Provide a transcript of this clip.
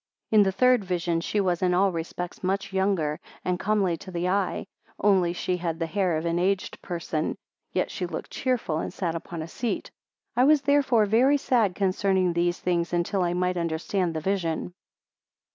110 In the third vision, she was in all respects much younger, and comely to the eye; only she had the hair of an aged person: yet she looked cheerful, and sat upon a seat. 111 I was therefore very sad concerning these things, until I might understand the vision.